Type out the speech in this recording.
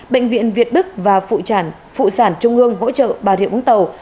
bệnh viện việt đức và phụ sản trung ương hỗ trợ bà rịa vũng tàu